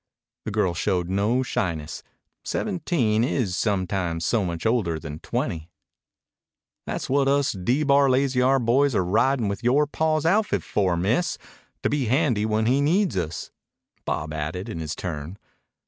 The girl showed no shyness. Seventeen is sometimes so much older than twenty. "Tha's what us D Bar Lazy R boys are ridin' with yore paw's outfit for, Miss to be handy when he needs us," Bob added in his turn.